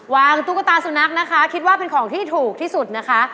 ตุ๊กตาสุนัขนะคะคิดว่าเป็นของที่ถูกที่สุดนะคะ